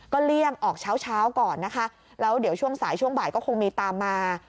เลี่ยงออกเช้าเช้าก่อนนะคะแล้วเดี๋ยวช่วงสายช่วงบ่ายก็คงมีตามมา